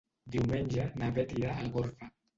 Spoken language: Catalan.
Diumenge na Bet irà a Algorfa.